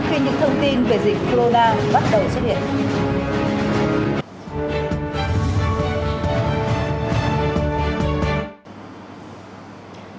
khi những thông tin về dịch corona bắt đầu xuất hiện